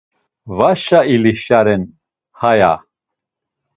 Vaşa ilişaren haya.